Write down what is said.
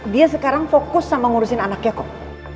dia sekarang fokus sama ngurusin anaknya kok